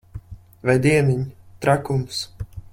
Vai dieniņ! Trakums.